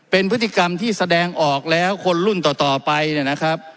เป็นพฤติกรรมที่แสดงออกแล้วคนรุ่นต่อไปเนี่ยนะครับ